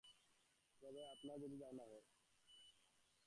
তবে আপনার যদি ধারণা হয়।